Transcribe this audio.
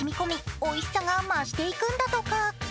おいしさが増していくんだとか。